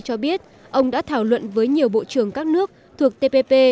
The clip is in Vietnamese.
cho biết ông đã thảo luận với nhiều bộ trưởng các nước thuộc tpp